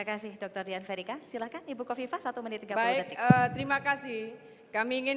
kasih dr ian verika silakan ibu kofifa satu menit tiga puluh detik terima kasih kami ingin